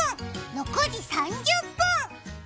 ６時３０分！